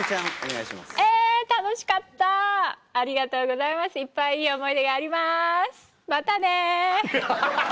いっぱいいい思い出がありますまたね！